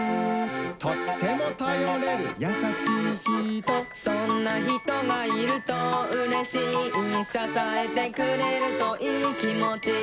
「とってもたよれるやさしいひと」「そんなひとがいるとうれしい」「ささえてくれるといいきもち」